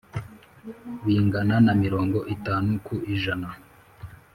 bingana na mirongo itanu ku ijana